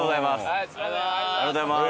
ありがとうございます。